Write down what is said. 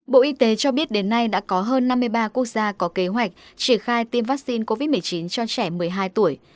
bộ y tế cho biết đến nay đã có hơn năm mươi ba quốc gia có kế hoạch triển khai tiêm vaccine covid một mươi chín cho trẻ một mươi hai tuổi